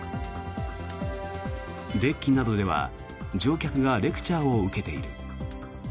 デッキなどでは乗客がレクチャーを受けている。